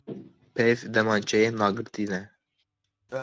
Peyv, demançeyên dagirtî ne.